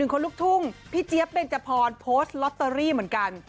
คนลุกทุ่งพี่เจี๊ยบเบนจพรโพสต์ลอตเตอรี่เหมือนกัน